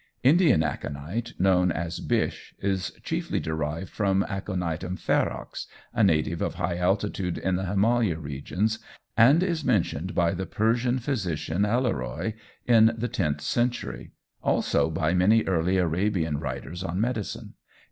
Indian aconite, known as Bish, is chiefly derived from Aconitum ferox a native of high altitude in the Himalaya regions and is mentioned by the Persian physician, Alheroi, in the tenth century, also by many early Arabian writers on medicine.